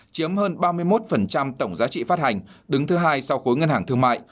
chiếm hơn ba mươi một tổng giá trị phát hành đứng thứ hai sau khối ngân hàng thương mại